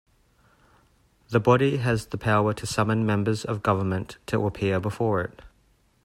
The body has the power to summon members of government to appear before it.